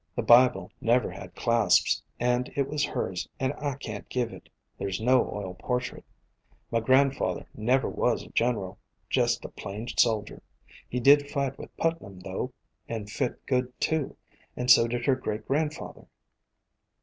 The Bible never had clasps, and it was hers and I can't give it; there 's no oil por trait. My grandfather never was a general, jist a plain soldier. He did fight with Putnam, though, and fit good too, and so did her great grandfather."